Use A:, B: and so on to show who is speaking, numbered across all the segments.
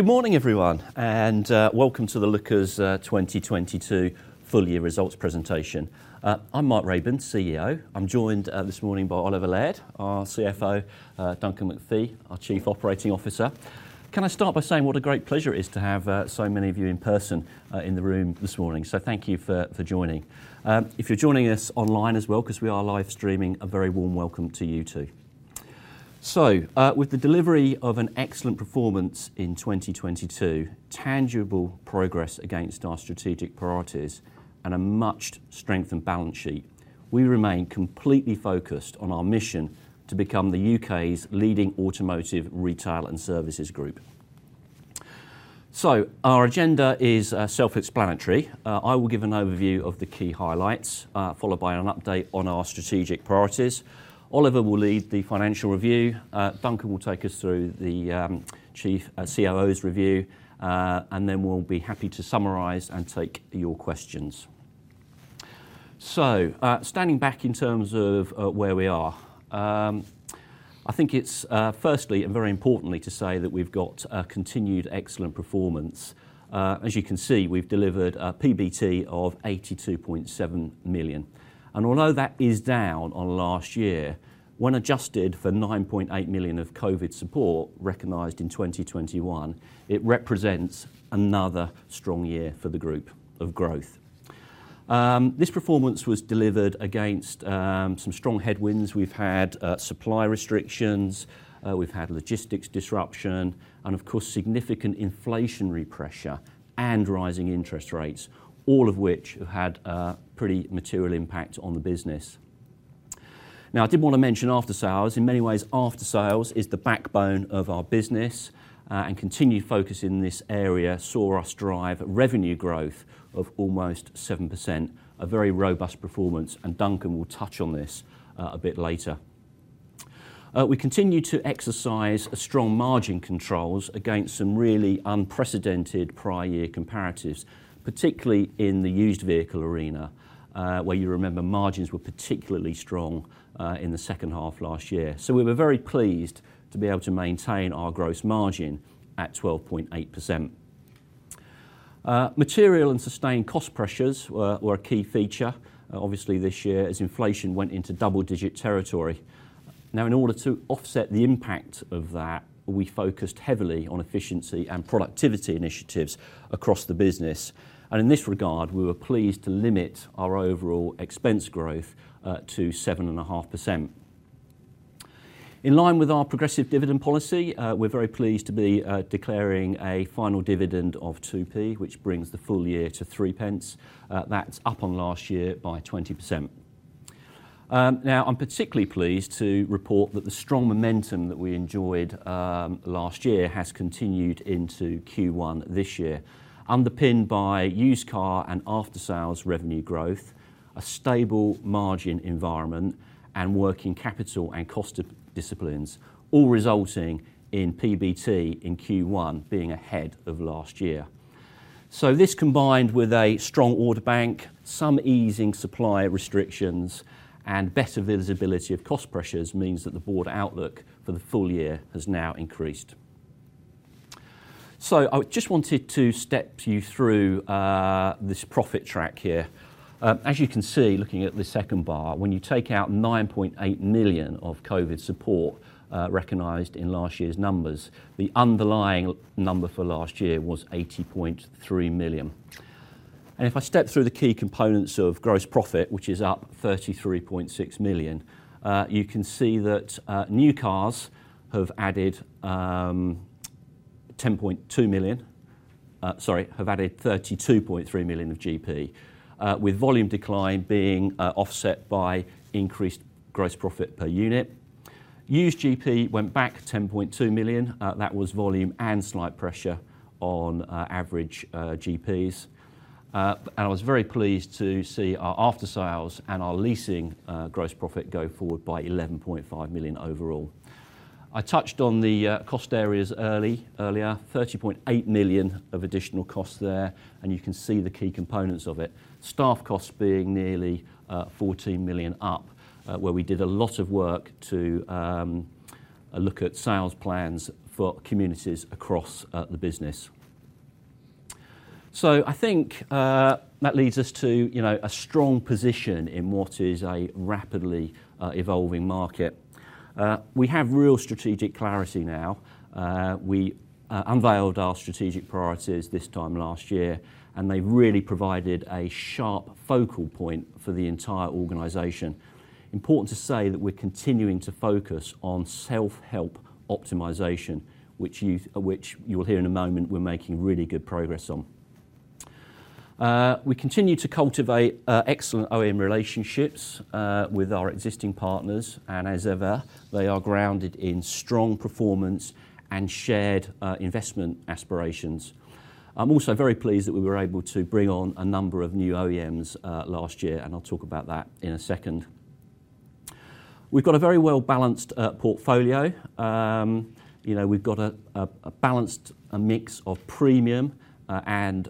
A: Good morning, everyone, welcome to the Lookers 2022 full year results presentation. I'm Mark Raban, CEO. I'm joined this morning by Oliver Laird, our CFO, Duncan McPhee, our Chief Operating Officer. Can I start by saying what a great pleasure it is to have so many of you in person in the room this morning. Thank you for joining. If you're joining us online as well, 'cause we are live streaming, a very warm welcome to you too. With the delivery of an excellent performance in 2022, tangible progress against our strategic priorities and a much-strengthened balance sheet, we remain completely focused on our mission to become the U.K.'s leading automotive retail and services group. Our agenda is self-explanatory. I will give an overview of the key highlights, followed by an update on our strategic priorities. Oliver will lead the financial review. Duncan will take us through the COO's review, then we'll be happy to summarize and take your questions. Standing back in terms of where we are, I think it's firstly and very importantly to say that we've got a continued excellent performance. As you can see, we've delivered a PBT of 82.7 million. Although that is down on last year, when adjusted for 9.8 million of COVID support recognized in 2021, it represents another strong year for the group of growth. This performance was delivered against some strong headwinds. We've had supply restrictions, we've had logistics disruption and of course, significant inflationary pressure and rising interest rates, all of which have had a pretty material impact on the business. Now, I did wanna mention aftersales. In many ways, aftersales is the backbone of our business, and continued focus in this area saw us drive revenue growth of almost 7%, a very robust performance, and Duncan will touch on this a bit later. We continued to exercise strong margin controls against some really unprecedented prior year comparatives, particularly in the used vehicle arena, where you remember margins were particularly strong in the second half last year. We were very pleased to be able to maintain our gross margin at 12.8%. Material and sustained cost pressures were a key feature, obviously this year as inflation went into double-digit territory. In order to offset the impact of that, we focused heavily on efficiency and productivity initiatives across the business. In this regard, we were pleased to limit our overall expense growth to 7.5%. In line with our progressive dividend policy, we're very pleased to be declaring a final dividend of 2p, which brings the full year to 3p. That's up on last year by 20%. Now I'm particularly pleased to report that the strong momentum that we enjoyed last year has continued into Q1 this year, underpinned by used car and aftersales revenue growth, a stable margin environment and working capital and cost disciplines, all resulting in PBT in Q1 being ahead of last year. This combined with a strong order bank, some easing supply restrictions and better visibility of cost pressures means that the board outlook for the full year has now increased. I just wanted to step you through this profit track here. As you can see looking at the second bar, when you take out 9.8 million of COVID support recognized in last year's numbers, the underlying number for last year was 80.3 million. If I step through the key components of gross profit, which is up 33.6 million, you can see that new cars have added 10.2 million, sorry, have added 32.3 million of GP, with volume decline being offset by increased gross profit per unit. Used GP went back 10.2 million. That was volume and slight pressure on average GPs. I was very pleased to see our aftersales and our leasing gross profit go forward by 11.5 million overall. I touched on the cost areas early, earlier. 30.8 million of additional costs there, you can see the key components of it. Staff costs being nearly 14 million up, where we did a lot of work to look at sales plans for communities across the business. I think that leads us to, you know, a strong position in what is a rapidly evolving market. We have real strategic clarity now. We unveiled our strategic priorities this time last year, and they've really provided a sharp focal point for the entire organization. Important to say that we're continuing to focus on self-help optimization, which you'll hear in a moment we're making really good progress on. We continue to cultivate excellent OEM relationships with our existing partners, as ever, they are grounded in strong performance and shared investment aspirations. I'm also very pleased that we were able to bring on a number of new OEMs last year, and I'll talk about that in a second. We've got a very well-balanced portfolio. You know, we've got a balanced mix of premium and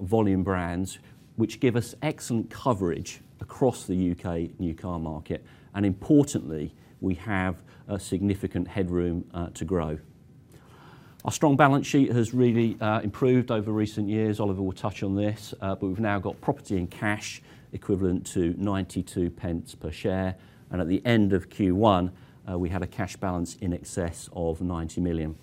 A: volume brands, which give us excellent coverage across the UK new car market. Importantly, we have a significant headroom to grow. Our strong balance sheet has really improved over recent years. Oliver will touch on this, but we've now got property and cash equivalent to 0.92 per share. At the end of Q1, we had a cash balance in excess of 90 million.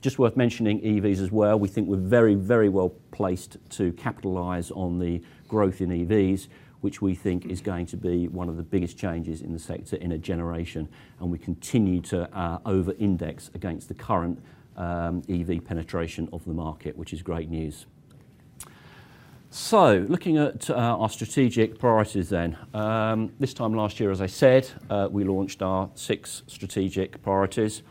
A: Just worth mentioning EVs as well. We think we're very, very well-placed to capitalize on the growth in EVs, which we think is going to be one of the biggest changes in the sector in a generation, and we continue to over-index against the current EV penetration of the market, which is great news. Looking at our strategic priorities then. This time last year, as I said, we launched our 6 strategic priorities,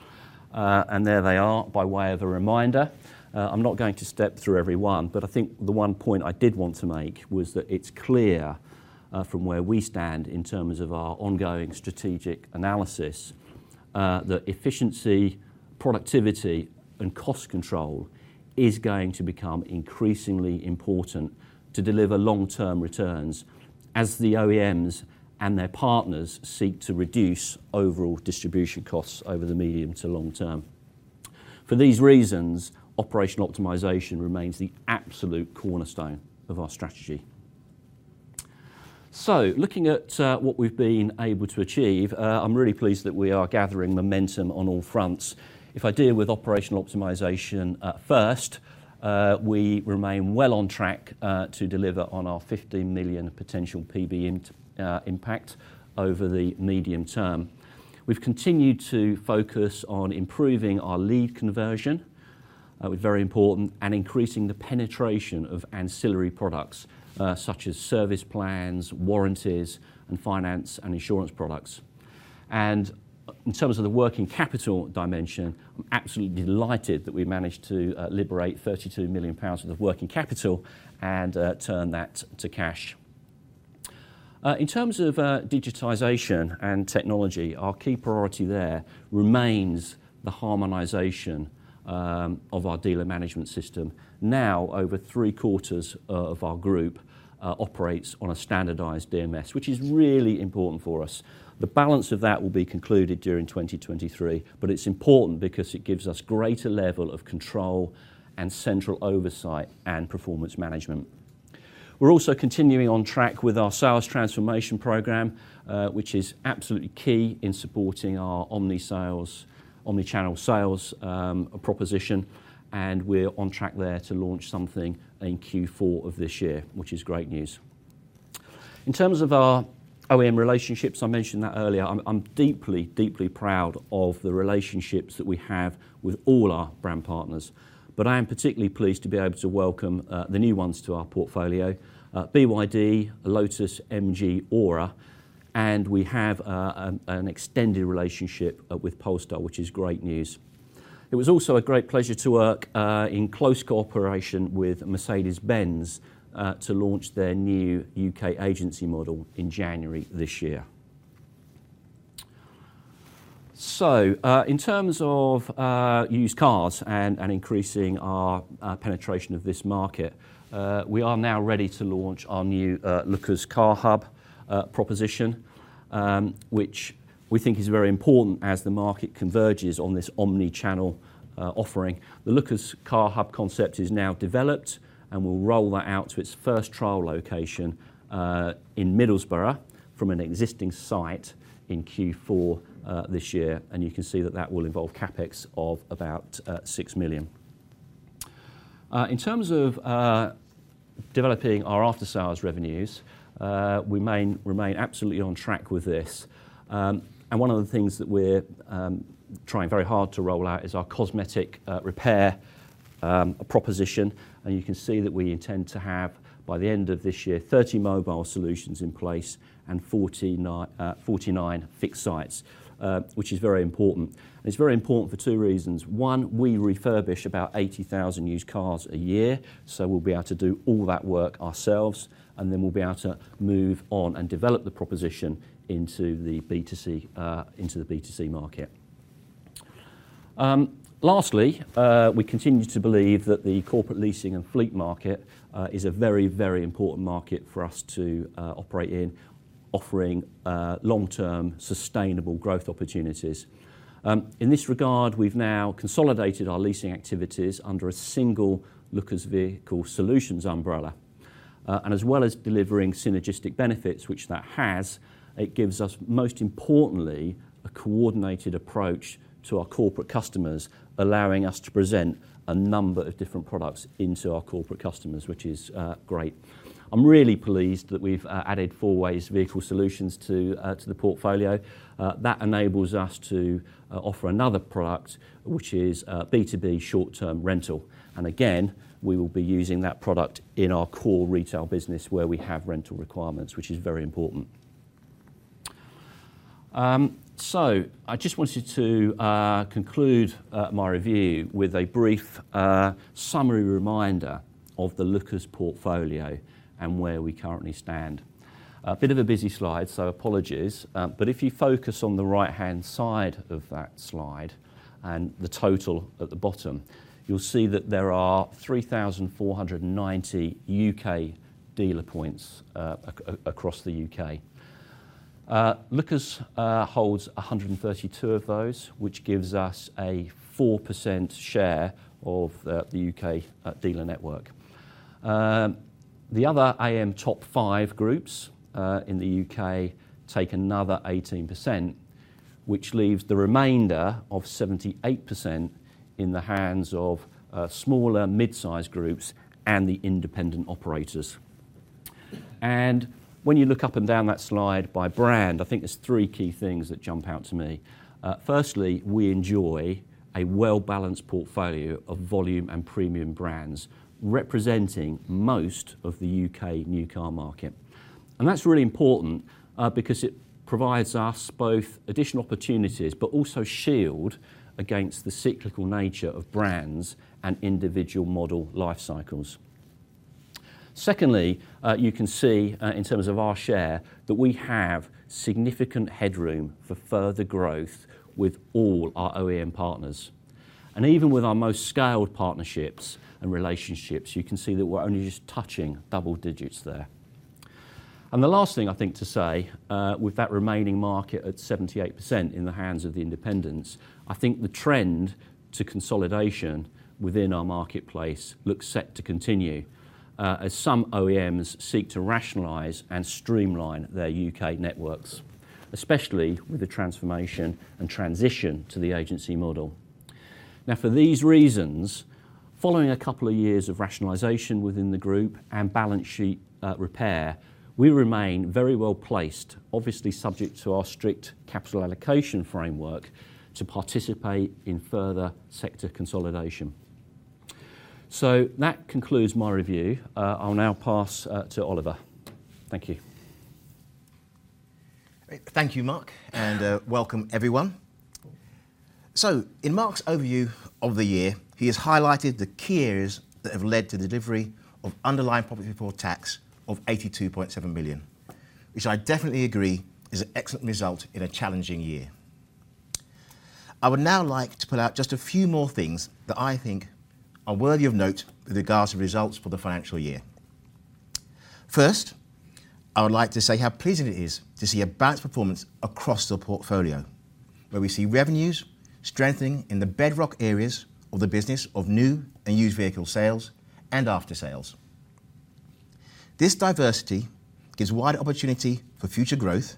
A: there they are by way of a reminder. I'm not going to step through every one, but I think the one point I did want to make was that it's clear from where we stand in terms of our ongoing strategic analysis that efficiency, productivity and cost control is going to become increasingly important to deliver long-term returns as the OEMs and their partners seek to reduce overall distribution costs over the medium to long term. For these reasons, operational optimization remains the absolute cornerstone of our strategy. Looking at what we've been able to achieve, I'm really pleased that we are gathering momentum on all fronts. If I deal with operational optimization first, we remain well on track to deliver on our 15 million potential PBT impact over the medium term. We've continued to focus on improving our lead conversion, very important, and increasing the penetration of ancillary products, such as service plans, warranties and finance and insurance products. In terms of the working capital dimension, I'm absolutely delighted that we managed to liberate 32 million pounds worth of working capital and turn that to cash. In terms of digitization and technology, our key priority there remains the harmonization of our Dealer Management System. Now, over three-quarters of our group operates on a standardized DMS, which is really important for us. The balance of that will be concluded during 2023, but it's important because it gives us greater level of control and central oversight and performance management. We're also continuing on track with our sales transformation program, which is absolutely key in supporting our omnichannel sales proposition, and we're on track there to launch something in Q4 of this year, which is great news. In terms of our OEM relationships, I mentioned that earlier, I'm deeply proud of the relationships that we have with all our brand partners. I am particularly pleased to be able to welcome the new ones to our portfolio, BYD, Lotus, MG, ORA, and we have an extended relationship with Polestar, which is great news. It was also a great pleasure to work in close cooperation with Mercedes-Benz to launch their new UK agency model in January this year. In terms of used cars and increasing our penetration of this market, we are now ready to launch our new Lookers Car Hub proposition, which we think is very important as the market converges on this omni-channel offering. The Lookers Car Hub concept is now developed, and we'll roll that out to its first trial location in Middlesbrough from an existing site in Q4 this year, and you can see that that will involve CapEx of about 6 million. In terms of developing our after-sales revenues, we remain absolutely on track with this. One of the things that we're trying very hard to roll out is our cosmetic repair proposition. You can see that we intend to have, by the end of this year, 30 mobile solutions in place and 49 fixed sites, which is very important. It's very important for 2 reasons. One, we refurbish about 80,000 used cars a year, so we'll be able to do all that work ourselves, and then we'll be able to move on and develop the proposition into the B2C market. Lastly, we continue to believe that the corporate leasing and fleet market is a very, very important market for us to operate in, offering long-term sustainable growth opportunities. In this regard, we've now consolidated our leasing activities under a single Lookers Vehicle Solutions umbrella. As well as delivering synergistic benefits which that has, it gives us, most importantly, a coordinated approach to our corporate customers, allowing us to present a number of different products into our corporate customers, which is great. I'm really pleased that we've added Fourways Vehicle Solutions to the portfolio. That enables us to offer another product, which is B2B short-term rental. Again, we will be using that product in our core retail business where we have rental requirements, which is very important. I just wanted to conclude my review with a brief summary reminder of the Lookers portfolio and where we currently stand. A bit of a busy slide, so apologies. If you focus on the right-hand side of that slide and the total at the bottom, you'll see that there are 3,490 U.K. dealer points across the U.K. Lookers holds 132 of those, which gives us a 4% share of the UK dealer network. The other AM Top 5 groups in the U.K. take another 18%, which leaves the remainder of 78% in the hands of smaller mid-size groups and the independent operators. When you look up and down that slide by brand, I think there's 3 key things that jump out to me. Firstly, we enjoy a well-balanced portfolio of volume and premium brands representing most of the U.K. new car market. That's really important, because it provides us both additional opportunities, but also shield against the cyclical nature of brands and individual model life cycles. Secondly, you can see, in terms of our share that we have significant headroom for further growth with all our OEM partners. Even with our most scaled partnerships and relationships, you can see that we're only just touching double digits there. The last thing I think to say, with that remaining market at 78% in the hands of the independents, I think the trend to consolidation within our marketplace looks set to continue, as some OEMs seek to rationalize and streamline their UK networks, especially with the transformation and transition to the agency model. For these reasons, following a couple of years of rationalization within the group and balance sheet, repair, we remain very well-placed, obviously subject to our strict capital allocation framework, to participate in further sector consolidation. That concludes my review. I'll now pass to Oliver. Thank you.
B: Thank you, Mark. Welcome everyone. In Mark's overview of the year, he has highlighted the key areas that have led to the delivery of underlying PBT of 82.7 million, which I definitely agree is an excellent result in a challenging year. I would now like to pull out just a few more things that I think are worthy of note with regards to results for the financial year. First, I would like to say how pleasing it is to see a balanced performance across the portfolio, where we see revenues strengthening in the bedrock areas of the business of new and used vehicle sales and aftersales. This diversity gives wide opportunity for future growth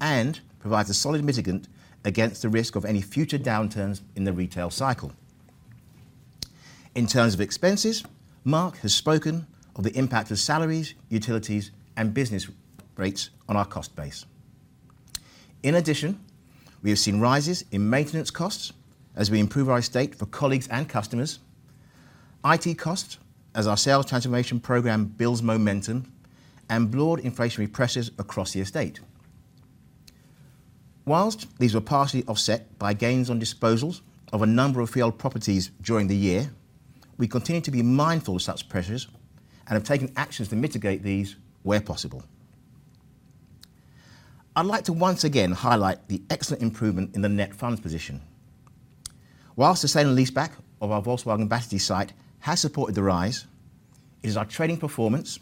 B: and provides a solid mitigant against the risk of any future downturns in the retail cycle. In terms of expenses, Mark has spoken of the impact of salaries, utilities, and business rates on our cost base. In addition, we have seen rises in maintenance costs as we improve our estate for colleagues and customers, IT costs as our sales transformation program builds momentum, and broad inflationary pressures across the estate. Whilst these were partially offset by gains on disposals of a number of field properties during the year, we continue to be mindful of such pressures and have taken actions to mitigate these where possible. I'd like to once again highlight the excellent improvement in the net funds position. Whilst the sale and leaseback of our Volkswagen Battersea site has supported the rise, it is our trading performance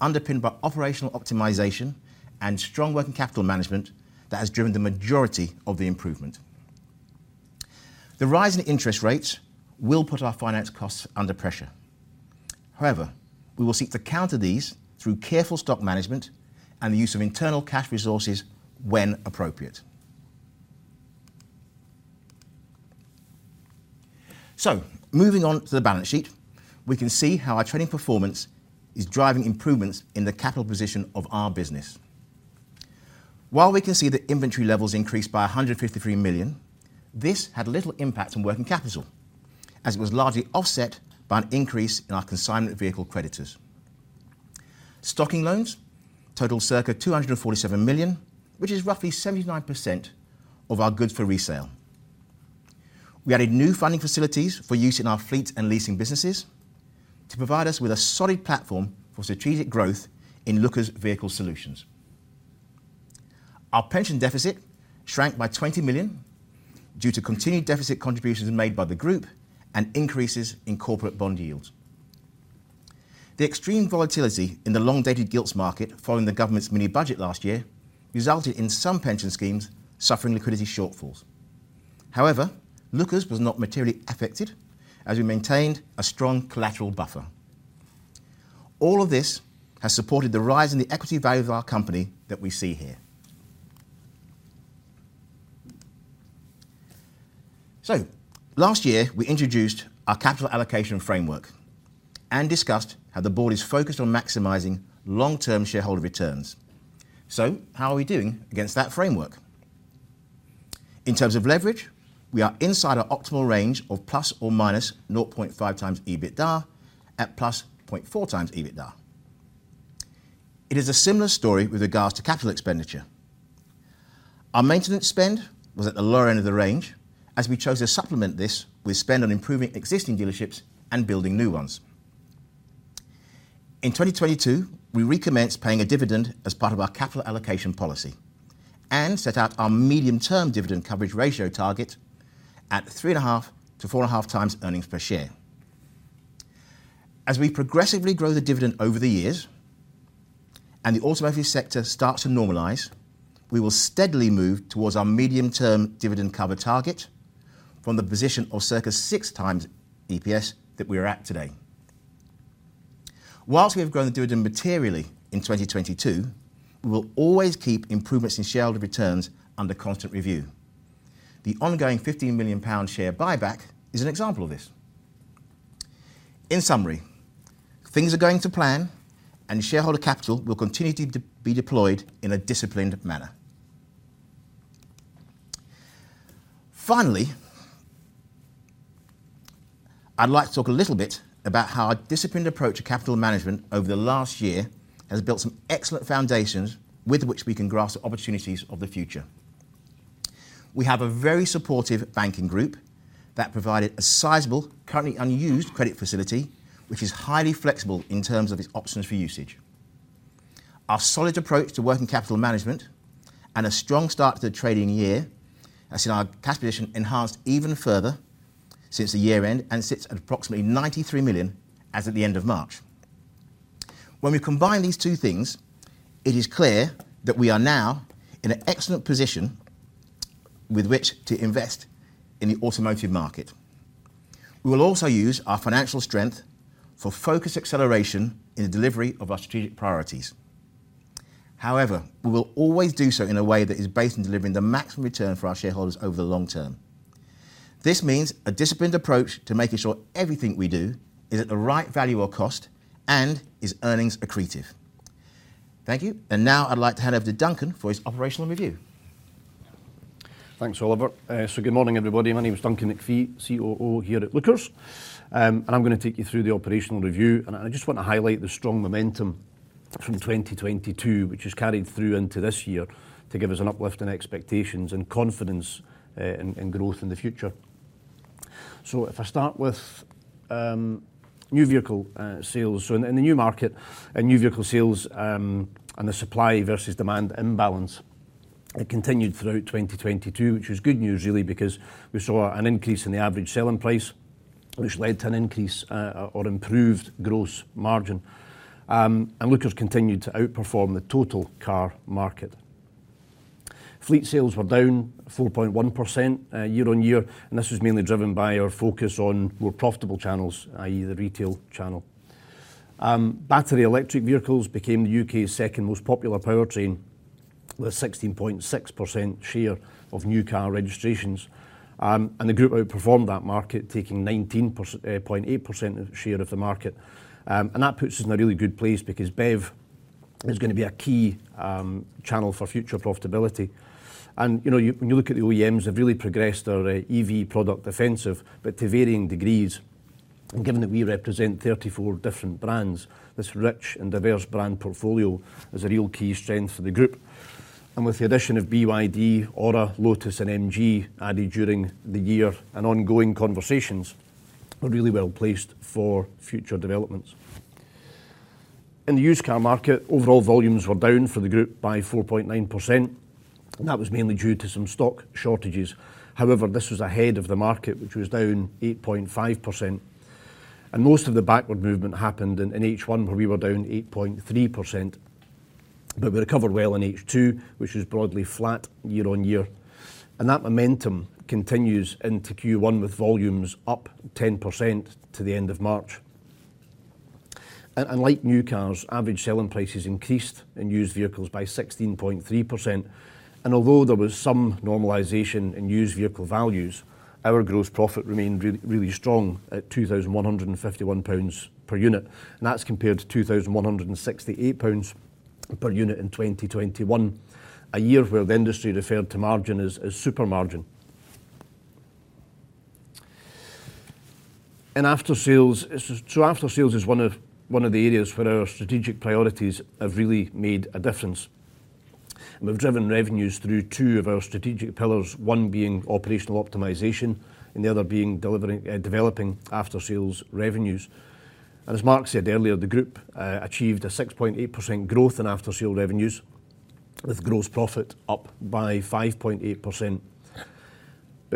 B: underpinned by operational optimization and strong working capital management that has driven the majority of the improvement. The rise in interest rates will put our finance costs under pressure. However, we will seek to counter these through careful stock management and the use of internal cash resources when appropriate. Moving on to the balance sheet, we can see how our trading performance is driving improvements in the capital position of our business. While we can see the inventory levels increased by 153 million, this had little impact on working capital as it was largely offset by an increase in our consignment vehicle creditors. Stocking loans totaled circa 247 million, which is roughly 79% of our goods for resale. We added new funding facilities for use in our fleet and leasing businesses to provide us with a solid platform for strategic growth in Lookers Vehicle Solutions. Our pension deficit shrank by 20 million due to continued deficit contributions made by the group and increases in corporate bond yields. The extreme volatility in the long-dated gilts market following the government's mini budget last year resulted in some pension schemes suffering liquidity shortfalls. However, Lookers was not materially affected as we maintained a strong collateral buffer. All of this has supported the rise in the equity value of our company that we see here. Last year, we introduced our capital allocation framework and discussed how the board is focused on maximizing long-term shareholder returns. How are we doing against that framework? In terms of leverage, we are inside our optimal range of ±0.5x EBITDA at +0.4x EBITDA. It is a similar story with regards to capital expenditure. Our maintenance spend was at the lower end of the range as we chose to supplement this with spend on improving existing dealerships and building new ones. In 2022, we recommenced paying a dividend as part of our capital allocation policy and set out our medium-term dividend coverage ratio target at 3.5x-4.5x earnings per share. As we progressively grow the dividend over the years and the automotive sector starts to normalize, we will steadily move towards our medium-term dividend cover target from the position of circa 6x EPS that we are at today. Whilst we have grown the dividend materially in 2022, we will always keep improvements in shareholder returns under constant review. The ongoing 15 million pound share buyback is an example of this. In summary, things are going to plan, and shareholder capital will continue to be deployed in a disciplined manner. Finally, I'd like to talk a little bit about how our disciplined approach to capital management over the last year has built some excellent foundations with which we can grasp opportunities of the future. We have a very supportive banking group that provided a sizable, currently unused credit facility, which is highly flexible in terms of its options for usage. Our solid approach to working capital management and a strong start to the trading year has seen our cash position enhanced even further since the year-end and sits at approximately 93 million as at the end of March. When we combine these two things, it is clear that we are now in an excellent position with which to invest in the automotive market. We will also use our financial strength for focused acceleration in the delivery of our strategic priorities. However, we will always do so in a way that is based on delivering the maximum return for our shareholders over the long term. This means a disciplined approach to making sure everything we do is at the right value or cost and is earnings accretive. Thank you. Now I'd like to hand over to Duncan for his operational review.
C: Thanks, Oliver. Good morning, everybody. My name is Duncan McPhee, COO here at Lookers. I'm going to take you through the operational review. I just want to highlight the strong momentum from 2022, which has carried through into this year to give us an uplift in expectations and confidence in growth in the future. If I start with new vehicle sales. In the new market and new vehicle sales, and the supply versus demand imbalance, it continued throughout 2022, which was good news really because we saw an increase in the average selling price, which led to an increase or improved gross margin. Lookers continued to outperform the total car market. Fleet sales were down 4.1% year-on-year, this was mainly driven by our focus on more profitable channels, i.e. the retail channel. Battery electric vehicles became the UK's second most popular powertrain with 16.6% share of new car registrations. The group outperformed that market, taking 19.8% share of the market. That puts us in a really good place because BEV is going to be a key channel for future profitability. You know, when you look at the OEMs, they've really progressed our EV product offensive, but to varying degrees. Given that we represent 34 different brands, this rich and diverse brand portfolio is a real key strength for the group. With the addition of BYD, ORA, Lotus, and MG added during the year and ongoing conversations, we're really well placed for future developments. In the used car market, overall volumes were down for the group by 4.9%, and that was mainly due to some stock shortages. However, this was ahead of the market, which was down 8.5%. Most of the backward movement happened in H1, where we were down 8.3%. We recovered well in H2, which was broadly flat year-over-year. That momentum continues into Q1, with volumes up 10% to the end of March. Unlike new cars, average selling prices increased in used vehicles by 16.3%. Although there was some normalization in used vehicle values, our gross profit remained really strong at 2,151 pounds per unit. That's compared to 2,168 pounds per unit in 2021, a year where the industry referred to margin as super margin. In aftersales is one of the areas where our strategic priorities have really made a difference. We've driven revenues through two of our strategic pillars, one being operational optimization and the other being developing aftersales revenues. As Mark Raban said earlier, the group achieved a 6.8% growth in aftersales revenues, with gross profit up by 5.8%.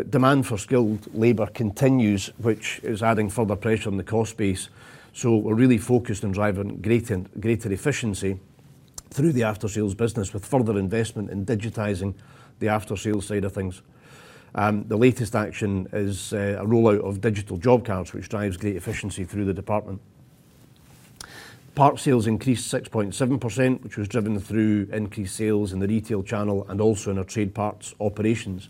C: Demand for skilled labor continues, which is adding further pressure on the cost base. We're really focused on driving greater efficiency through the aftersales business with further investment in digitizing the aftersales side of things. The latest action is a rollout of digital job cards, which drives great efficiency through the department. Part sales increased 6.7%, which was driven through increased sales in the retail channel and also in our trade parts operations.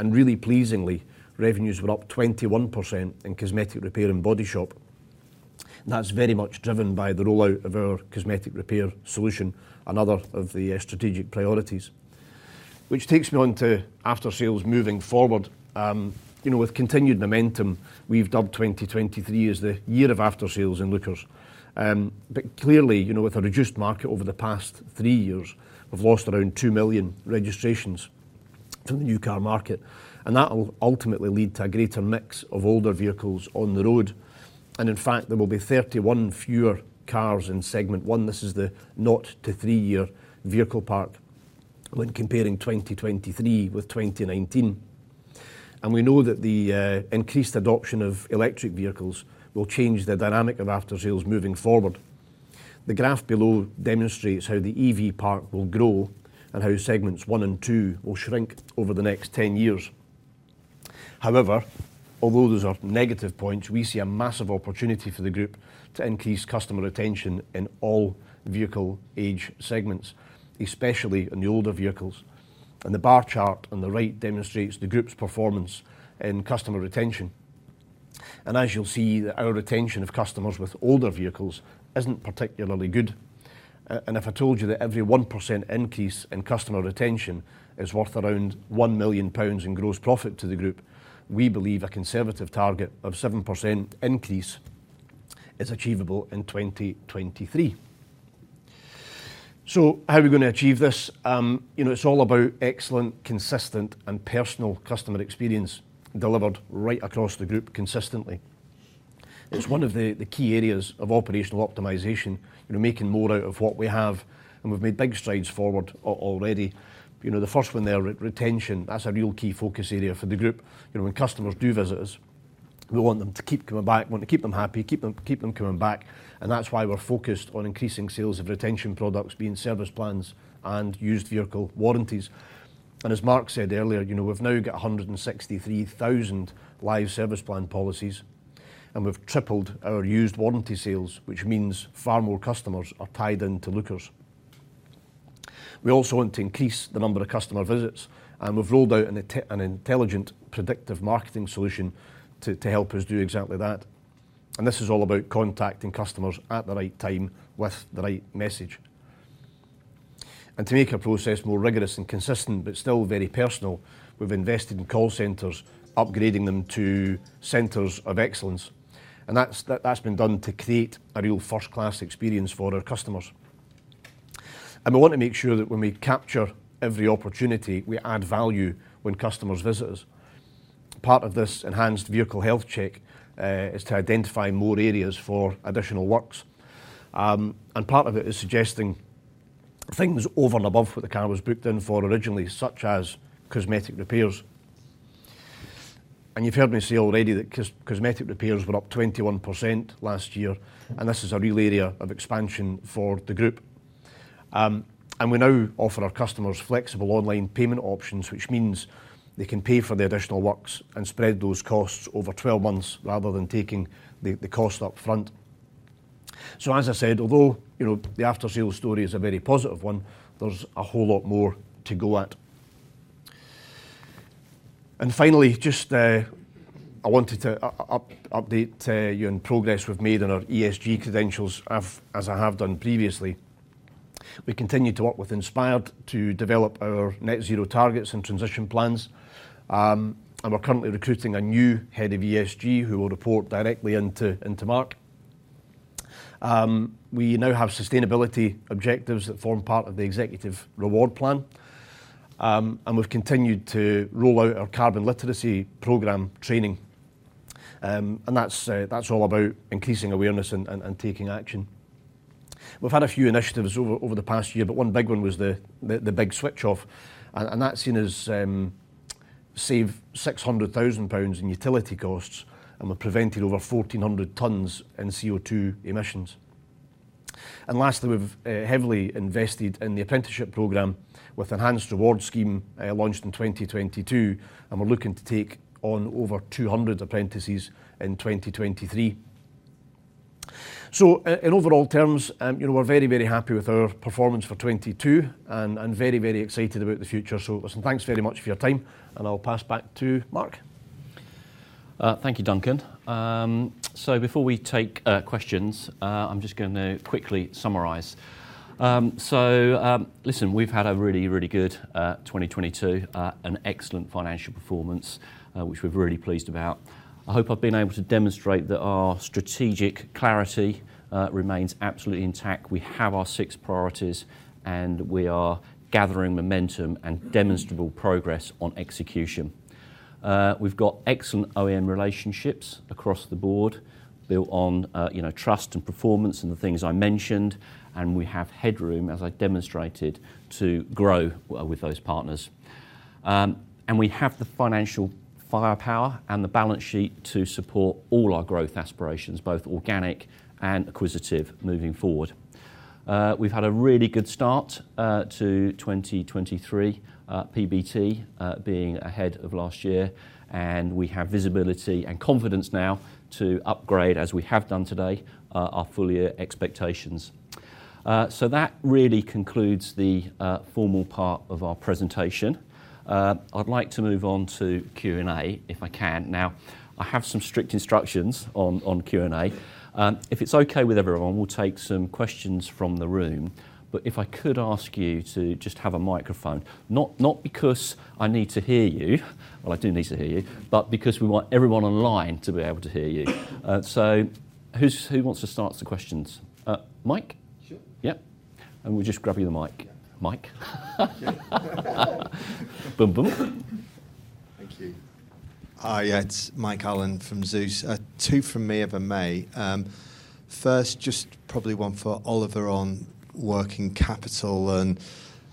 C: Really pleasingly, revenues were up 21% in cosmetic repair and body shop. That's very much driven by the rollout of our cosmetic repair solution, another of the strategic priorities. Takes me on to aftersales moving forward. You know, with continued momentum, we've dubbed 2023 as the year of aftersales in Lookers. Clearly, you know, with a reduced market over the past three years, we've lost around 2 million registrations from the new car market, and that will ultimately lead to a greater mix of older vehicles on the road. In fact, there will be 31 fewer cars in segment 1. This is the 0-3-year vehicle part. When comparing 2023 with 2019. We know that the increased adoption of electric vehicles will change the dynamic of aftersales moving forward. The graph below demonstrates how the EV part will grow and how segments 1 and 2 will shrink over the next 10 years. However, although those are negative points, we see a massive opportunity for the group to increase customer retention in all vehicle age segments, especially in the older vehicles. The bar chart on the right demonstrates the group's performance in customer retention. As you'll see, our retention of customers with older vehicles isn't particularly good. If I told you that every 1% increase in customer retention is worth around 1 million pounds in gross profit to the group, we believe a conservative target of 7% increase is achievable in 2023. How are we gonna achieve this? You know, it's all about excellent, consistent and personal customer experience delivered right across the group consistently. It's one of the key areas of operational optimization. You know, making more out of what we have, and we've made big strides forward already. You know, the first one there, retention, that's a real key focus area for the group. You know, when customers do visit us, we want them to keep coming back. We want to keep them happy, keep them coming back, and that's why we're focused on increasing sales of retention products, being service plans and used vehicle warranties. As Mark said earlier, you know, we've now got 163,000 live service plan policies, and we've tripled our used warranty sales, which means far more customers are tied into Lookers. We also want to increase the number of customer visits, and we've rolled out an intelligent predictive marketing solution to help us do exactly that. This is all about contacting customers at the right time with the right message. To make our process more rigorous and consistent but still very personal, we've invested in call centers, upgrading them to centers of excellence. That's been done to create a real first-class experience for our customers. We want to make sure that when we capture every opportunity, we add value when customers visit us. Part of this enhanced vehicle health check is to identify more areas for additional works. Part of it is suggesting things over and above what the car was booked in for originally, such as cosmetic repairs. You've heard me say already that cosmetic repairs were up 21% last year, and this is a real area of expansion for the group. We now offer our customers flexible online payment options, which means they can pay for the additional works and spread those costs over 12 months rather than taking the cost up front. As I said, although, you know, the aftersales story is a very positive one, there's a whole lot more to go at. Finally, just, I wanted to update you on progress we've made on our ESG credentials as I have done previously. We continue to work with Inspired to develop our net zero targets and transition plans. We're currently recruiting a new head of ESG who will report directly into Mark. We now have sustainability objectives that form part of the executive reward plan. We've continued to roll out our carbon literacy program training. That's all about increasing awareness and taking action. We've had a few initiatives over the past year, but one big one was the big switch off, and that's seen us save 600,000 pounds in utility costs, and we've prevented over 1,400 tons in CO2 emissions. Lastly, we've heavily invested in the apprenticeship program with enhanced reward scheme, launched in 2022, and we're looking to take on over 200 apprentices in 2023. In overall terms, you know, we're very, very happy with our performance for 2022 and very, very excited about the future. Listen, thanks very much for your time, and I'll pass back to Mark.
A: Thank you, Duncan. Before we take questions, I'm just gonna quickly summarize. Listen, we've had a really, really good 2022. An excellent financial performance, which we're really pleased about. I hope I've been able to demonstrate that our strategic clarity remains absolutely intact. We have our six priorities, and we are gathering momentum and demonstrable progress on execution. We've got excellent OEM relationships across the board built on, you know, trust and performance and the things I mentioned, and we have headroom, as I demonstrated, to grow with those partners. We have the financial firepower and the balance sheet to support all our growth aspirations, both organic and acquisitive moving forward. We've had a really good start to 2023, PBT being ahead of last year, and we have visibility and confidence now to upgrade, as we have done today, our full year expectations. That really concludes the formal part of our presentation. I'd like to move on to Q&A if I can. Now, I have some strict instructions on Q&A. If it's okay with everyone, we'll take some questions from the room. If I could ask you to just have a microphone, not because I need to hear you, well, I do need to hear you, but because we want everyone online to be able to hear you. Who wants to start the questions? Mike?
C: Sure.
A: Yeah. We'll just grab you the mic, Mike.
C: Yeah.
A: Boom, boom.
D: Thank you. Hi, it's Mike Allen from Zeus Capital. Two from me if I may. First, just probably one for Oliver on working capital and,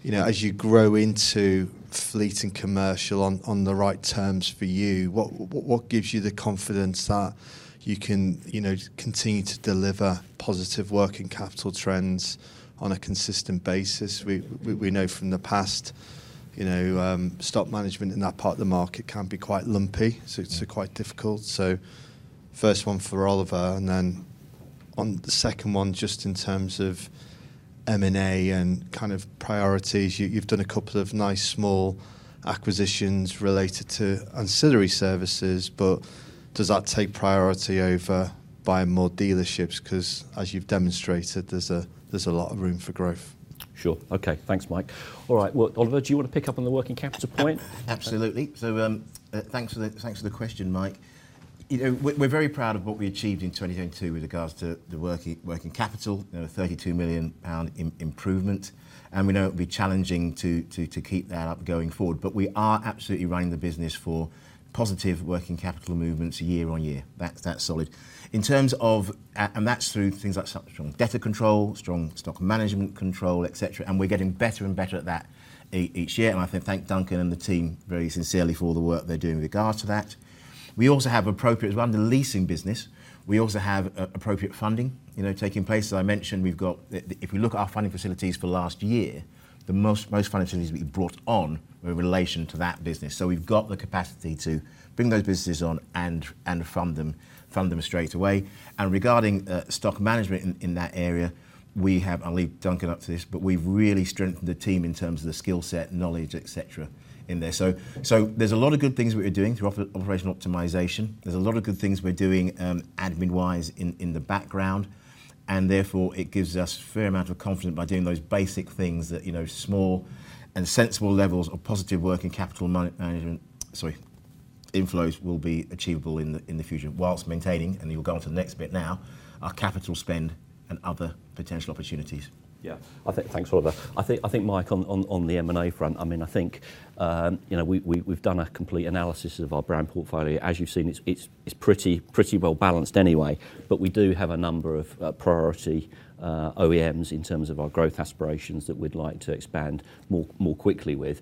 D: you know, as you grow into fleet and commercial on the right terms for you, what gives you the confidence that you can, you know, continue to deliver positive working capital trends on a consistent basis? We know from the past, you know, stock management in that part of the market can be quite lumpy, so it's quite difficult. First one for Oliver. On the second one, just in terms of M&A and kind of priorities, you've done a couple of nice small acquisitions related to ancillary services, but does that take priority over buying more dealerships? 'Cause as you've demonstrated, there's a lot of room for growth.
A: Sure. Okay. Thanks, Mike. All right. Well, Oliver, do you want to pick up on the working capital point?
B: Absolutely. Thanks for the question, Mike. You know, we're very proud of what we achieved in 2022 with regards to the working capital. You know, 32 million pound improvement, and we know it'll be challenging to keep that up going forward. We are absolutely running the business for positive working capital movements year-over-year. That's solid. That's through things like strong debtor control, strong stock management control, et cetera, and we're getting better and better at that each year, and I thank Duncan and the team very sincerely for all the work they're doing with regards to that. As we run the leasing business, we also have appropriate funding, you know, taking place. As I mentioned, we've got. If you look at our funding facilities for last year, the most funding facilities we brought on were in relation to that business. We've got the capacity to bring those businesses on and fund them straight away. Regarding stock management in that area, I'll leave Duncan up to this, but we've really strengthened the team in terms of the skill set, knowledge, et cetera in there. There's a lot of good things we are doing through operational optimization. There's a lot of good things we're doing, admin-wise in the background, and therefore it gives us a fair amount of confidence by doing those basic things that, you know, small and sensible levels of positive working capital management, sorry, inflows will be achievable in the future while maintaining, and we'll go on to the next bit now, our capital spend and other potential opportunities.
A: Yeah. Thanks, Oliver. I think, Mike, on the M&A front, I mean, you know, we've done a complete analysis of our brand portfolio. As you've seen, it's pretty well-balanced anyway. We do have a number of priority OEMs in terms of our growth aspirations that we'd like to expand more quickly with.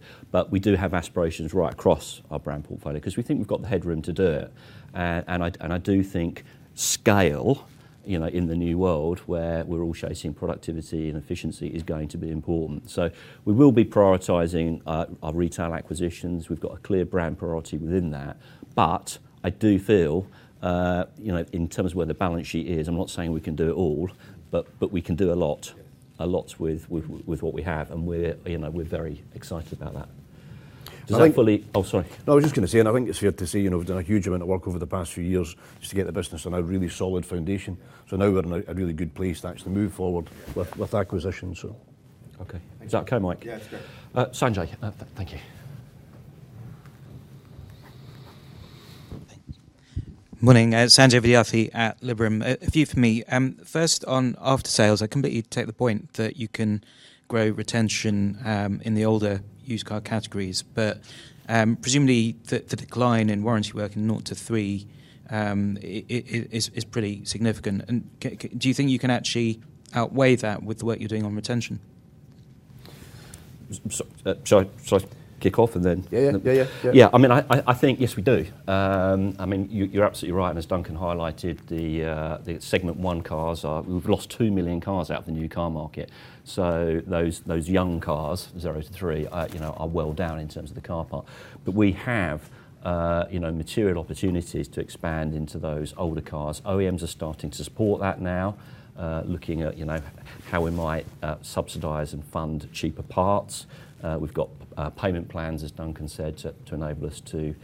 A: We do have aspirations right across our brand portfolio because we think we've got the headroom to do it. I do think scale, you know, in the new world where we're all chasing productivity and efficiency is going to be important. We will be prioritizing our retail acquisitions. We've got a clear brand priority within that. I do feel, you know, in terms of where the balance sheet is, I'm not saying we can do it all, but we can do a lot.
B: Yeah.
A: A lot with what we have, and we're, you know, we're very excited about that. Does that?
D: I think-
A: Oh, sorry.
D: No, I was just gonna say, and I think it's fair to say, you know, we've done a huge amount of work over the past few years just to get the business on a really solid foundation. Now we're in a really good place to actually move forward with acquisitions, so.
A: Okay. Is that okay, Mike?
B: Yeah. It's good.
A: Sanjay. Thank you.
E: Thank you. Morning. Sanjay Vidyarthi at Liberum. A few from me. First on aftersales, I completely take the point that you can grow retention in the older used car categories. Presumably the decline in warranty work in nought to three is pretty significant. Do you think you can actually outweigh that with the work you're doing on retention?
A: Shall I kick off?
C: Yeah, yeah. Yeah, yeah. Yeah.
A: Yeah. I mean, I, I think yes, we do. I mean, you're absolutely right, and as Duncan highlighted, the segment one cars are... We've lost 2 million cars out of the new car market. Those, those young cars, 0 to 3, are, you know, are well down in terms of the car park. We have, you know, material opportunities to expand into those older cars. OEMs are starting to support that now, looking at, you know, how we might subsidize and fund cheaper parts. We've got payment plans, as Duncan said, to enable us to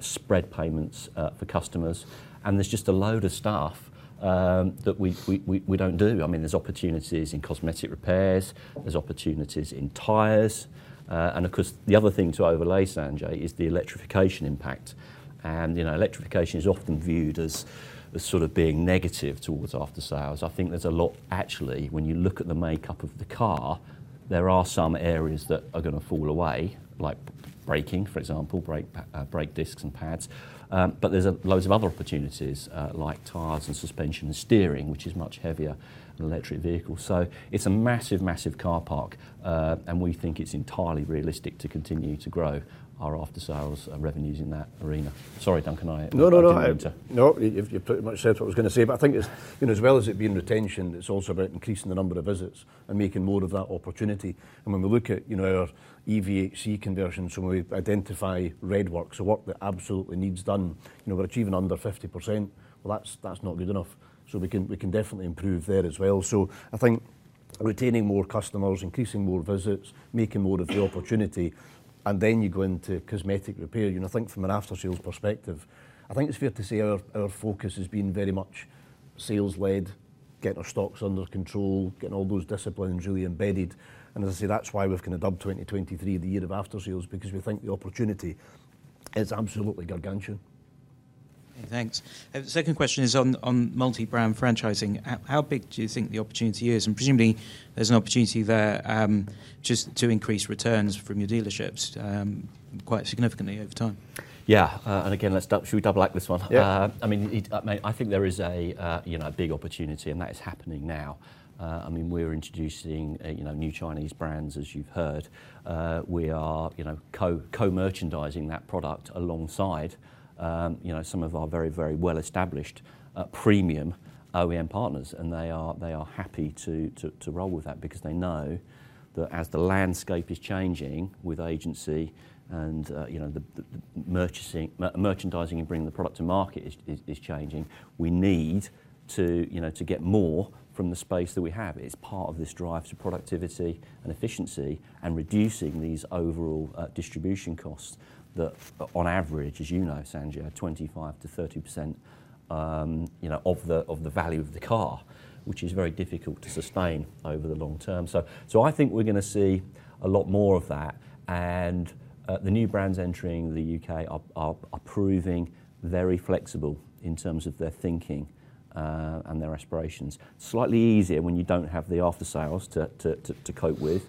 A: spread payments for customers. There's just a load of stuff that we don't do. I mean, there's opportunities in cosmetic repairs. There's opportunities in tires. Of course, the other thing to overlay, Sanjay, is the electrification impact. You know, electrification is often viewed as sort of being negative towards aftersales. I think there's a lot, actually, when you look at the makeup of the car, there are some areas that are gonna fall away, like braking, for example, brake discs and pads. There's loads of other opportunities, like tires and suspension and steering, which is much heavier in an electric vehicle. It's a massive car park, and we think it's entirely realistic to continue to grow our aftersales revenues in that arena. Sorry, Duncan, I-
C: No, no.
A: I didn't mean to-
C: No. You've pretty much said what I was gonna say. I think it's, you know, as well as it being retention, it's also about increasing the number of visits and making more of that opportunity. When we look at, you know, our EVHC conversion, so when we identify red work, so work that absolutely needs done, you know, we're achieving under 50%. Well, that's not good enough. We can definitely improve there as well. I think retaining more customers, increasing more visits, making more of the opportunity, and then you go into cosmetic repair. You know, I think from an aftersales perspective, I think it's fair to say our focus has been very much sales-led, getting our stocks under control, getting all those disciplines really embedded. As I say, that's why we've kind of dubbed 2023 the year of aftersales, because we think the opportunity is absolutely gargantuan.
E: Thanks. The second question is on multi-brand franchising. How big do you think the opportunity is? Presumably, there's an opportunity there, just to increase returns from your dealerships, quite significantly over time.
A: Yeah. Again, shall we double-lick this one?
C: Yeah.
A: I mean, I think there is a, you know, big opportunity, and that is happening now. I mean, we're introducing, you know, new Chinese brands, as you've heard. We are, you know, co-merchandising that product alongside, you know, some of our very, very well-established, premium OEM partners. They are happy to roll with that because they know that as the landscape is changing with agency and, you know, the merchandising and bringing the product to market is changing, we need to, you know, to get more from the space that we have. It is part of this drive to productivity and efficiency and reducing these overall distribution costs that, on average, as you know, Sanjay, are 25%-30%, you know, of the value of the car, which is very difficult to sustain over the long term. I think we're gonna see a lot more of that. The new brands entering the U.K. are proving very flexible in terms of their thinking and their aspirations. Slightly easier when you don't have the aftersales to cope with.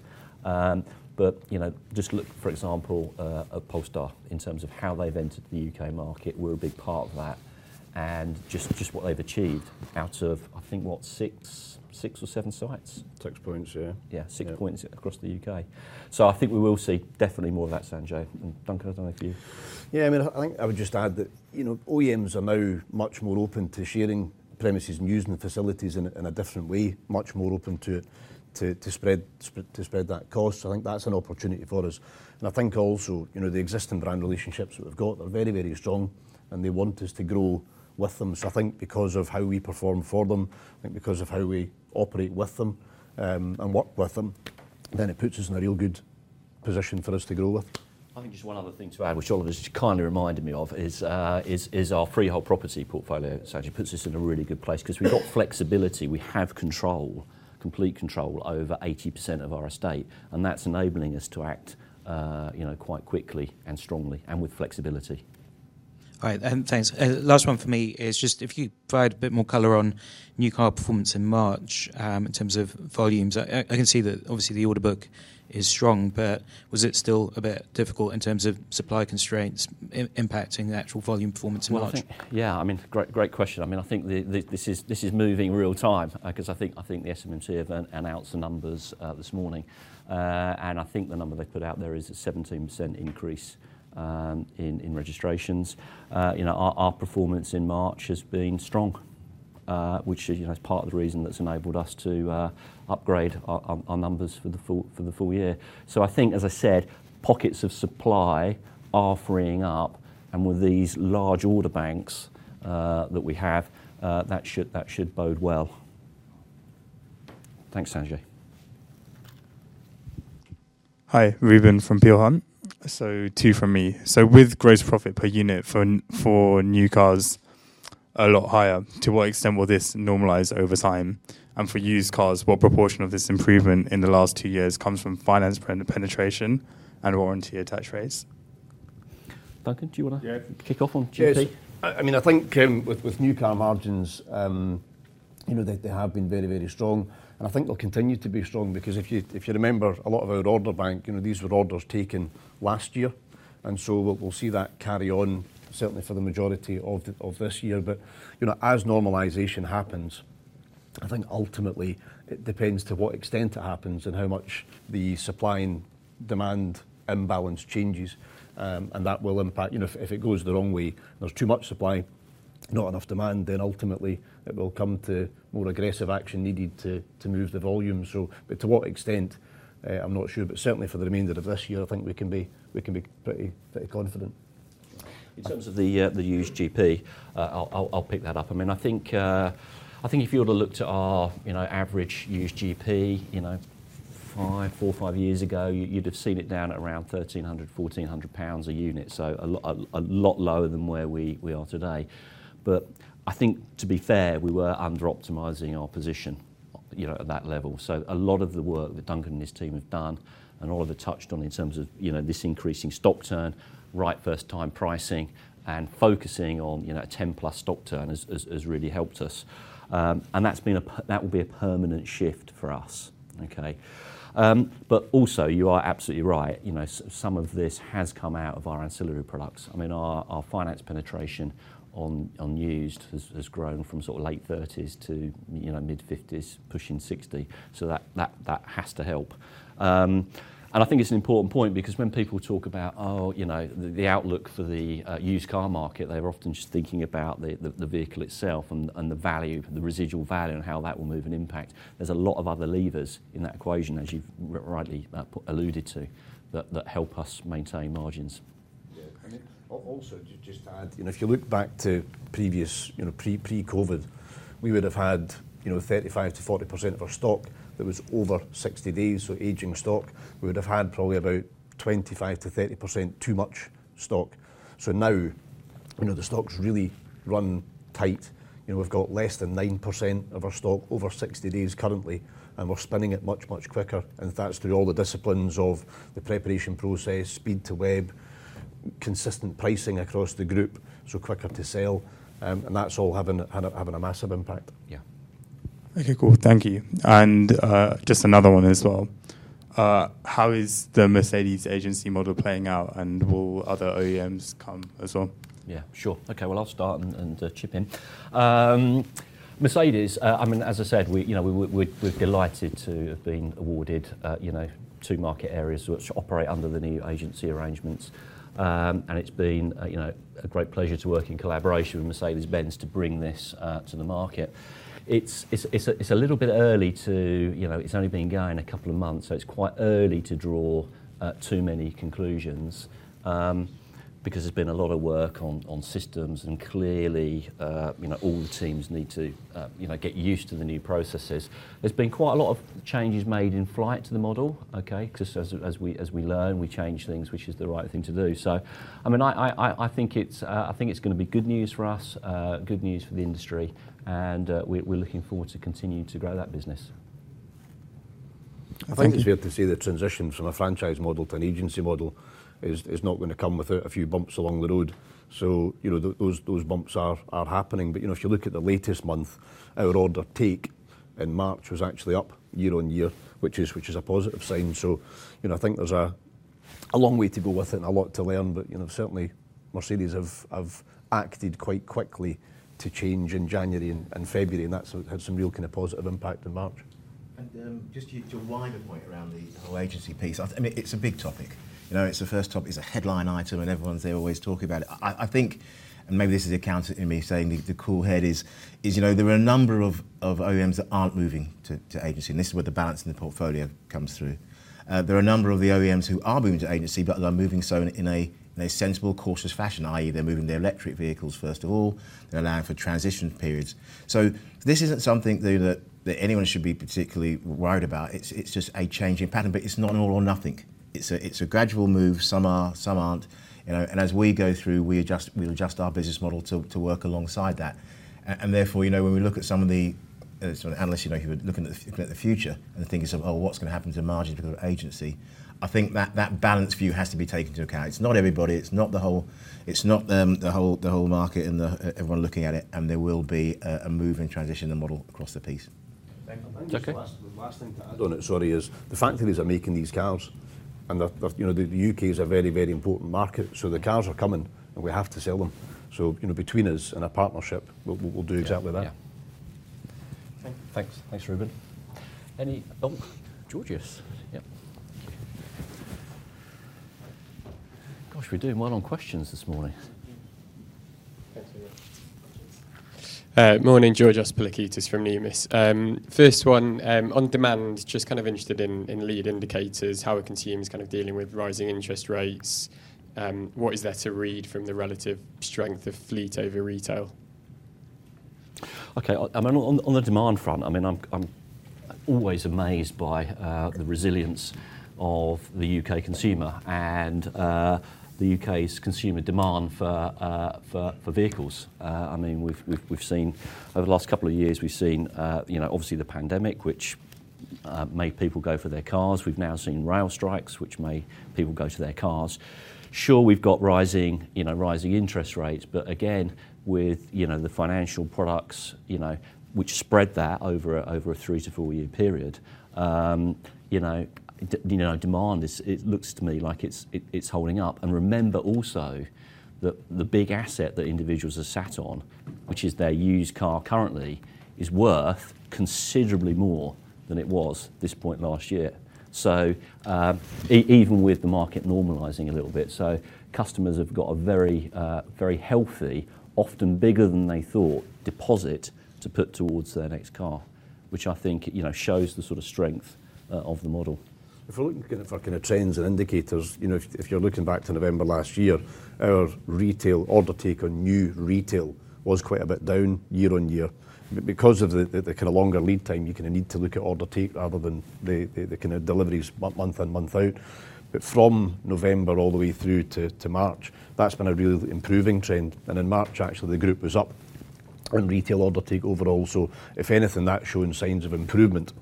A: You know, just look, for example, at Polestar in terms of how they've entered the U.K. market. We're a big part of that. Just what they've achieved out of, I think, what? 6.7 sites.
C: 6.7, yeah.
A: Yeah.
C: Yeah.
A: Six points across the U.K. I think we will see definitely more of that, Sanjay. Duncan, I don't know, to you.
C: Yeah, I mean, I think I would just add that, you know, OEMs are now much more open to sharing premises and using the facilities in a, in a different way, much more open to spread that cost. I think that's an opportunity for us. I think also, you know, the existing brand relationships that we've got are very, very strong, and they want us to grow with them. I think because of how we perform for them and because of how we operate with them, and work with them, then it puts us in a real good position for us to grow with.
A: I think just one other thing to add, which Oliver's kindly reminded me of, is our freehold property portfolio, Sanjay. It puts us in a really good place because we've got flexibility. We have control, complete control over 80% of our estate, that's enabling us to act, you know, quite quickly and strongly and with flexibility.
E: All right. Thanks. Last one for me is just if you provide a bit more color on new car performance in March, in terms of volumes. I can see that obviously the order book is strong, but was it still a bit difficult in terms of supply constraints impacting the actual volume performance in March?
A: Well, I think. Yeah. I mean, great question. I mean, I think This is moving real time, 'cause I think, I think the SMMT announced the numbers this morning. And I think the number they put out there is a 17% increase in registrations. You know, our performance in March has been strong, which is, you know, is part of the reason that's enabled us to upgrade our numbers for the full, for the full year. As I said, pockets of supply are freeing up, and with these large order banks that we have, that should bode well. Thanks, Sanjay.
F: Hi. Ruben from Peel Hunt. Two from me. With gross profit per unit for new cars are a lot higher, to what extent will this normalize over time? For used cars, what proportion of this improvement in the last two years comes from finance penetration and warranty attach rates?
A: Duncan, do you?
C: Yeah
A: kick off on GP?
C: Yes. I mean, I think, with new car margins, you know, they have been very, very strong, and I think they'll continue to be strong because if you, if you remember, a lot of our order bank, you know, these were orders taken last year. We'll see that carry on certainly for the majority of this year. You know, as normalization happens, I think ultimately it depends to what extent it happens and how much the supply and demand imbalance changes. That will impact. You know, if it goes the wrong way and there's too much supply, not enough demand, then ultimately it will come to more aggressive action needed to move the volume. But to what extent, I'm not sure. Certainly for the remainder of this year, I think we can be pretty confident.
A: In terms of the used GP, I'll pick that up. I mean, I think if you would've looked at our, you know, average used GP, you know, 5, 4, 5 years ago, you'd have seen it down at around 1,300 pounds, 1,400 pounds a unit. A lot lower than where we are today. I think, to be fair, we were under-optimizing our position, you know, at that level. A lot of the work that Duncan and his team have done, and Oliver touched on in terms of, you know, this increasing stock turn, right first time pricing, and focusing on, you know, a 10+ stock turn has really helped us. That's been a permanent shift for us. Okay? Also, you are absolutely right. You know, some of this has come out of our ancillary products. I mean, our finance penetration on used has grown from sort of late 30s to, you know, mid-50s, pushing 60. That has to help. I think it's an important point because when people talk about, oh, you know, the outlook for the used car market, they're often just thinking about the vehicle itself and the value, the residual value and how that will move and impact. There's a lot of other levers in that equation, as you've rightly put, alluded to, that help us maintain margins.
C: Yeah. Also, just to add, you know, if you look back to previous, you know, pre-COVID, we would have had, you know, 35%-40% of our stock that was over 60 days, so aging stock. We would have had probably about 25%-30% too much stock. Now, you know, the stock's really run tight. You know, we've got less than 9% of our stock over 60 days currently, and we're spinning it much, much quicker. That's through all the disciplines of the preparation process, speed to web, consistent pricing across the group, so quicker to sell, and that's all having a massive impact.
A: Yeah.
F: Okay, cool. Thank you. Just another one as well. How is the Mercedes-Benz agency model playing out, and will other OEMs come as well?
A: Yeah, sure. Okay. Well, I'll start and chip in. Mercedes-Benz, I mean, as I said, we, you know, we're delighted to have been awarded, you know, two market areas which operate under the new agency arrangements. It's been, you know, a great pleasure to work in collaboration with Mercedes-Benz to bring this to the market. It's a little bit early to, you know, it's only been going a couple of months, so it's quite early to draw too many conclusions, because there's been a lot of work on systems, and clearly, you know, all the teams need to, you know, get used to the new processes. There's been quite a lot of changes made in flight to the model. Okay. Because as we learn, we change things, which is the right thing to do. I mean, I think it's, I think it's gonna be good news for us, good news for the industry, and we're looking forward to continuing to grow that business.
C: I think it's fair to say the transition from a franchise model to an agency model is not gonna come without a few bumps along the road. You know, those bumps are happening. You know, if you look at the latest month, our order take in March was actually up year-on-year, which is a positive sign. You know, I think there's a long way to go with it and a lot to learn, but, you know, certainly Mercedes-Benz have acted quite quickly to change in January and February, and that's had some real kind of positive impact in March.
B: Just to wind the point around the whole agency piece. I mean, it's a big topic, you know, it's the first topic, it's a headline item, and everyone's there always talking about it. I think, and maybe this is the accountant in me saying the cool head is, you know, there are a number of OEMs that aren't moving to agency, and this is where the balance in the portfolio comes through. There are a number of the OEMs who are moving to agency, but are moving so in a sensible, cautious fashion, i.e., they're moving their electric vehicles first of all. They're allowing for transition periods. This isn't something though that anyone should be particularly worried about. It's just a changing pattern, but it's not an all or nothing. It's a gradual move. Some are, some aren't, you know, and as we go through, we adjust our business model to work alongside that. Therefore, you know, when we look at some of the, sort of analysts, you know, who are looking at the future and thinking, sort of, "Oh, what's gonna happen to margin for agency?" I think that that balanced view has to be taken into account. It's not everybody, it's not the whole, it's not them, the whole market and everyone looking at it, and there will be a move and transition in the model across the piece.
F: Thank you.
A: Okay.
C: I think just last, the last thing to add on it, sorry, is the factories are making these cars, the, you know, the U.K. is a very, very important market, so the cars are coming, and we have to sell them. You know, between us and our partnership, we'll do exactly that.
B: Yeah.
F: Thank you.
A: Thanks. Thanks, Ruben. Oh, Georgios. Yep. Gosh, we're doing well on questions this morning.
G: Morning. Georgios Pilakoutas from Numis. First one, on demand, just kind of interested in lead indicators, how are consumers kind of dealing with rising interest rates? What is there to read from the relative strength of fleet over retail?
A: Okay. I mean, on the demand front, I mean, I'm always amazed by the resilience of the UK consumer and the UK's consumer demand for vehicles. I mean, we've seen over the last couple of years, we've seen, you know, obviously the pandemic, which made people go for their cars. We've now seen rail strikes, which made people go to their cars. Sure, we've got rising, you know, rising interest rates, but again, with, you know, the financial products, you know, which spread that over a 3-4-year period, you know, demand is, it looks to me like it's holding up. Remember also that the big asset that individuals have sat on, which is their used car currently, is worth considerably more than it was this point last year. Even with the market normalizing a little bit. Customers have got a very, very healthy, often bigger than they thought deposit to put towards their next car, which I think, you know, shows the sort of strength of the model.
C: If we're looking for kind of trends and indicators, you know, if you're looking back to November last year, our retail order take on new retail was quite a bit down year-on-year. Because of the kind of longer lead time, you kind of need to look at order take rather than the kind of deliveries month in, month out. From November all the way through to March, that's been a really improving trend. In March, actually, the group was up in retail order take overall. If anything, that's showing signs of improvement,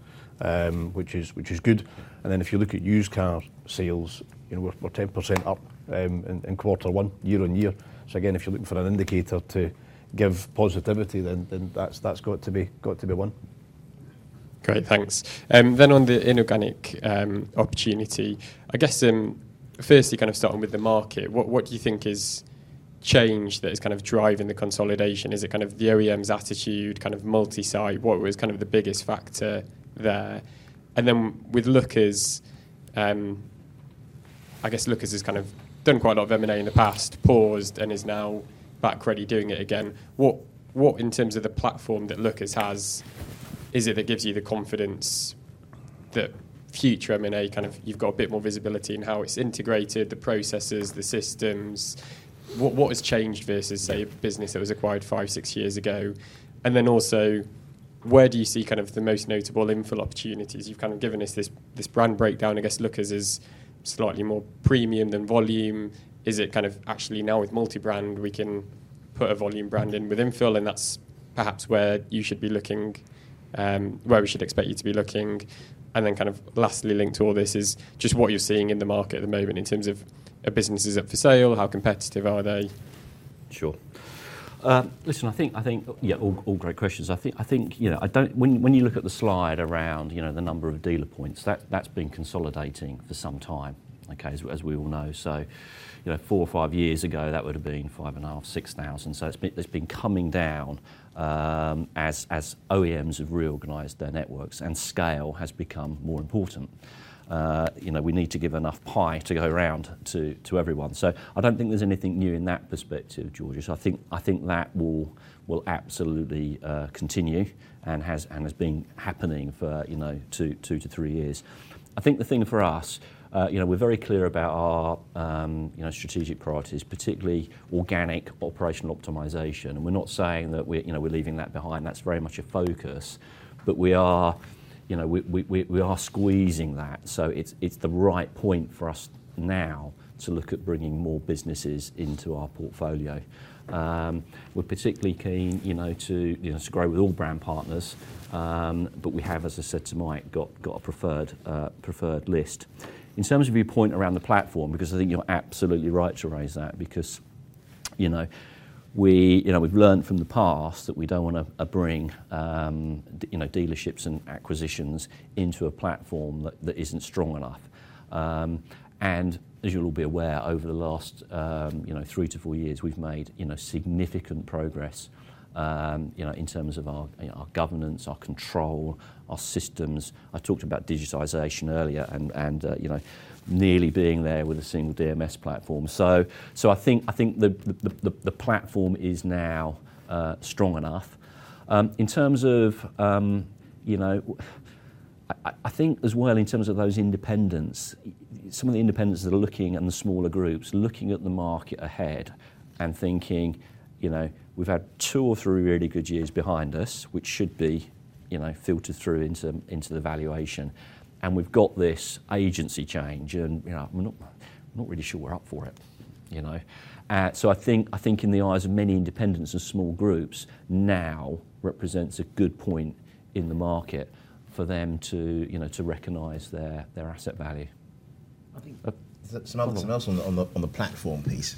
C: which is good. If you look at used car sales, you know, we're 10% up in Q1 year-on-year. If you're looking for an indicator to give positivity, then that's got to be one.
G: Great. Thanks. Then on the inorganic opportunity. I guess, firstly kind of starting with the market. What, what do you think has changed that is kind of driving the consolidation? Is it kind of the OEM's attitude, kind of multi-site? What was kind of the biggest factor there? Then with Lookers, I guess Lookers has kind of done quite a lot of M&A in the past, paused, and is now back ready doing it again. What, what in terms of the platform that Lookers has is it that gives you the confidence that future M&A, kind of, you've got a bit more visibility in how it's integrated, the processes, the systems? What, what has changed versus, say, a business that was acquired five, six years ago? Then also, where do you see kind of the most notable infill opportunities? You've kind of given us this brand breakdown. I guess Lookers is slightly more premium than volume. Is it kind of actually now with multi-brand, we can put a volume brand in with infill, and that's perhaps where you should be looking, where we should expect you to be looking? Lastly linked to all this is just what you're seeing in the market at the moment in terms of are businesses up for sale? How competitive are they?
A: Sure. Listen, I think, yeah, all great questions. I think, you know, I don't. When you look at the slide around, you know, the number of dealer points, that's been consolidating for some time, okay, as we all know. You know, 4 or 5 years ago, that would've been 5.5, 6,000. It's been coming down, as OEMs have reorganized their networks, and scale has become more important. You know, we need to give enough pie to go around to everyone. I don't think there's anything new in that perspective, George. I think that will absolutely continue and has been happening for, you know, 2 to 3 years. I think the thing for us, you know, we're very clear about our, you know, strategic priorities, particularly organic operational optimization. We're not saying that we're, you know, we're leaving that behind. That's very much a focus. We are, you know, squeezing that. It's the right point for us now to look at bringing more businesses into our portfolio. We're particularly keen, you know, to, you know, to grow with all brand partners. We have, as I said to Mike, got a preferred list. In terms of your point around the platform, because I think you're absolutely right to raise that because, you know, we've learned from the past that we don't wanna bring, you know, dealerships and acquisitions into a platform that isn't strong enough. As you'll all be aware, over the last 3 to 4 years, we've made significant progress in terms of our governance, our control, our systems. I talked about digitization earlier and nearly being there with a single DMS platform. I think the platform is now strong enough. I think as well in terms of those independents, some of the independents that are looking and the smaller groups looking at the market ahead and thinking, we've had 2 or 3 really good years behind us, which should be filtered through into the valuation. We've got this agency change and we're not really sure we're up for it. I think in the eyes of many independents and small groups now represents a good point in the market for them to, you know, to recognize their asset value.
B: I think-
A: Go on.
B: Some others on the platform piece.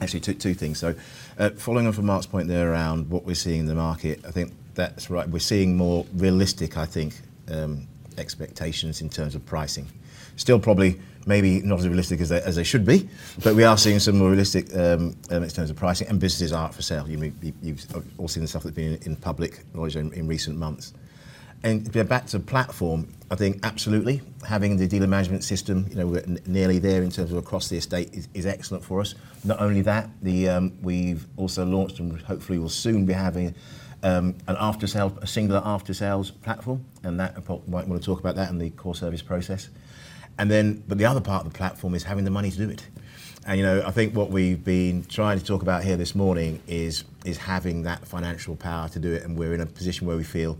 B: Actually, two things. Following on from Mark's point there around what we're seeing in the market, I think that's right. We're seeing more realistic, I think, expectations in terms of pricing. Still probably maybe not as realistic as they should be, but we are seeing some more realistic in terms of pricing and businesses are up for sale. You've all seen the stuff that's been in public always in recent months. If you're back to platform, I think absolutely having the dealer management system, you know, we're nearly there in terms of across the estate is excellent for us. Not only that, we've also launched and hopefully will soon be having a singular after sales platform and that. Paul might wanna talk about that in the core service process. The other part of the platform is having the money to do it. You know, I think what we've been trying to talk about here this morning is having that financial power to do it. We're in a position where we feel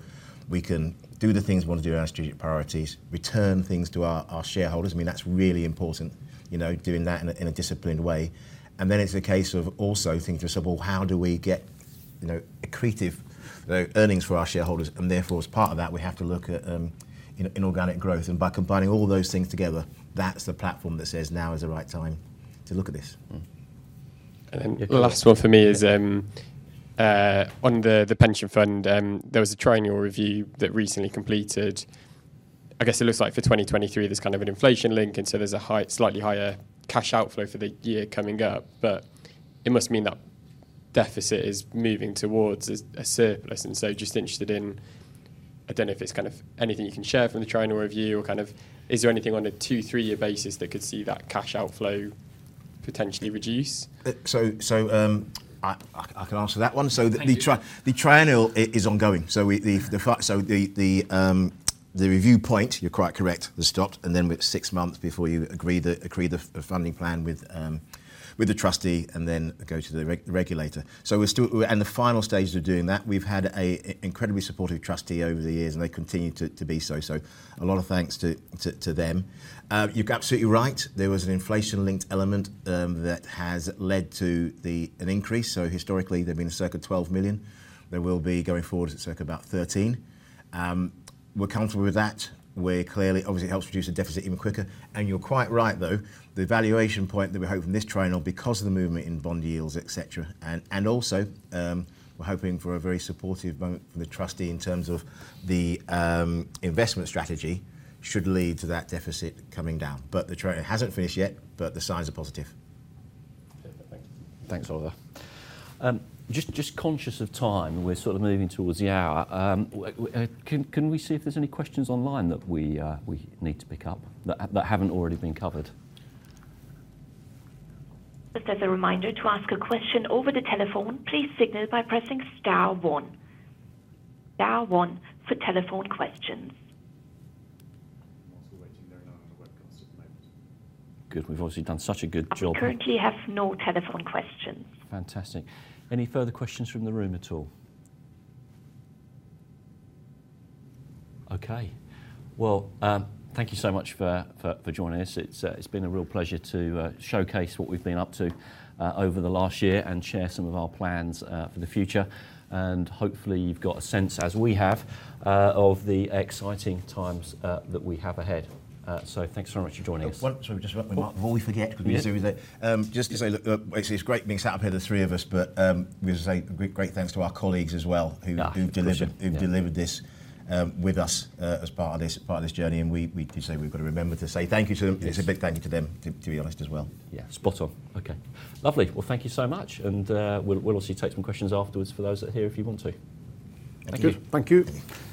B: we can do the things we want to do in our strategic priorities, return things to our shareholders. I mean, that's really important, you know, doing that in a disciplined way. Then it's a case of also thinking to ourselves, "Well, how do we get, you know, accretive, you know, earnings for our shareholders?" Therefore, as part of that, we have to look at inorganic growth. By combining all those things together, that's the platform that says now is the right time to look at this.
A: Mm-hmm.
G: The last one for me is on the pension fund, there was a triennial valuation that recently completed. I guess it looks like for 2023 there's kind of an inflation link, there's a slightly higher cash outflow for the year coming up. It must mean that deficit is moving towards a surplus. Just interested in... I don't know if it's kind of anything you can share from the triennial valuation or kind of is there anything on a 2, 3-year basis that could see that cash outflow potentially reduce?
B: I can answer that one.
G: Thank you.
B: The triennial is ongoing. The review point, you're quite correct, has stopped, and then we have 6 months before you agree the funding plan with the trustee and then go to the regulator. We're in the final stages of doing that. We've had a incredibly supportive trustee over the years, and they continue to be so. A lot of thanks to them. You're absolutely right. There was an inflation-linked element that has led to an increase. Historically there've been circa 12 million. There will be going forward it's circa about 13 million. We're comfortable with that. Obviously it helps reduce the deficit even quicker. You're quite right though. The valuation point that we hope from this triennial, because of the movement in bond yields, et cetera, and also, we're hoping for a very supportive the trustee in terms of the investment strategy should lead to that deficit coming down. The trial hasn't finished yet, but the signs are positive.
G: Okay. Thank you.
A: Thanks, Oliver. Just conscious of time, we're sort of moving towards the hour. Can we see if there's any questions online that we need to pick up that haven't already been covered?
H: Just as a reminder, to ask a question over the telephone, please signal by pressing star one. Star one for telephone questions.
A: We're also waiting there now on the webcast at the moment. Good. We've obviously done such a good job.
H: I currently have no telephone questions.
A: Fantastic. Any further questions from the room at all? Okay. Well, thank you so much for joining us. It's been a real pleasure to showcase what we've been up to over the last year and share some of our plans for the future. Hopefully you've got a sense, as we have, of the exciting times that we have ahead. Thanks very much for joining us.
B: Sorry, just one thing, Mark, before we forget...
A: Yeah...
B: can we just do is, just to say, look, obviously it's great being sat up here, the three of us, but, we'll just say great thanks to our colleagues as well.
A: For sure. Yeah....
B: who delivered this, with us, as part of this journey. We, we did say we've got to remember to say thank you to them.
A: Yes.
B: It's a big thank you to them, to be honest as well.
A: Yeah. Spot on. Okay. Lovely. Well, thank you so much and, we'll obviously take some questions afterwards for those that are here if you want to.
B: Thank you.
A: Thank you.
C: Thank you.